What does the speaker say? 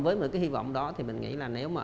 với cái hy vọng đó thì mình nghĩ là